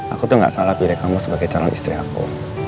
aku tuh gak salah pilih kamu sebagai calon istri aku